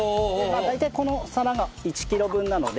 大体この皿が１キロ分なので。